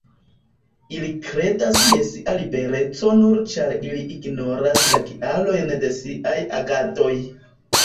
Ili kredas je sia libereco nur ĉar ili ignoras la kialojn de siaj agadoj.